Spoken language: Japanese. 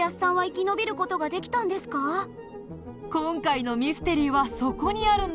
相手に今回のミステリーはそこにあるんだ。